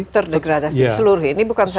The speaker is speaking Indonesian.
terdegradasi seluruh ini bukan saja